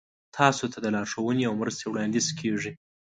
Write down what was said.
تاسو ته لارښوونې او مرستې وړاندې کیږي.